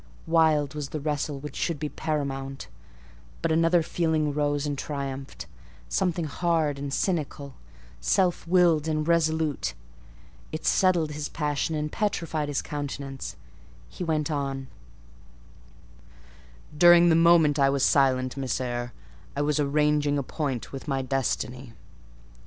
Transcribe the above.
Wild was the wrestle which should be paramount; but another feeling rose and triumphed: something hard and cynical: self willed and resolute: it settled his passion and petrified his countenance: he went on— "During the moment I was silent, Miss Eyre, I was arranging a point with my destiny.